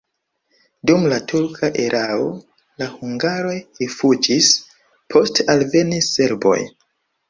Dum la turka erao la hungaroj rifuĝis, poste alvenis serboj.